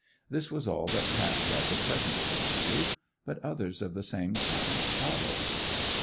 This was all that passed at the present interview, but others of the same kind followed.